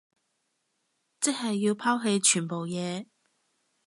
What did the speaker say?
即係要拋棄全部嘢